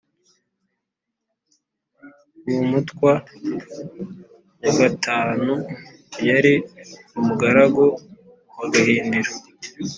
uwo mutwa nyagatuntu yari umugaragu wa gahindiro,